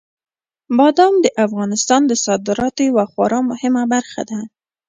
بادام د افغانستان د صادراتو یوه خورا مهمه برخه ده.